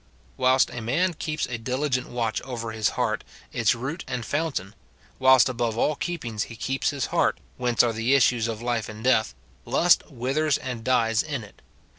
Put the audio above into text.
Whilst a man keeps a diligent watch over his heart, its root and foun tain, — whilst above all keepings he keeps his heart, whence are the issues of life and death, — lust withers 19 218 MORTIFICATION OP and dies in it.